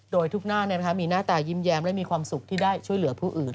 โดยทุกหน้ามีหน้าตายิ้มและมีความสุขที่ได้ช่วยเหลือผู้อื่น